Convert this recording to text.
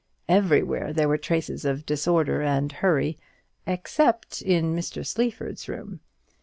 Everywhere there were traces of disorder and hurry, except in Mr. Sleaford's room.